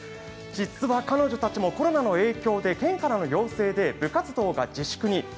実は彼女たちもコロナの影響で県からの要請で部活動が自粛。